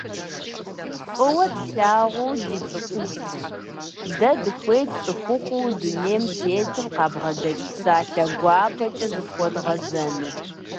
ФӀыуэ тлъагъу ди цӀыхубзхэ! Дэ дыхуейт цӀыхухъуу дунейм тетым къабгъэдэкӀ псалъэ гуапэкӀэ зыфхуэдгъэзэну.